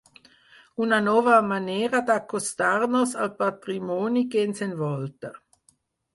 Una nova manera d'acostar-nos al patrimoni que ens envolta.